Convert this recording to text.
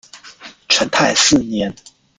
成泰四年。